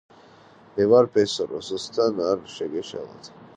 მე ვარ ბესო, რეზოსთან არ შეგეშალოთ